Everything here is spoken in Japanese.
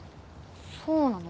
そうなの？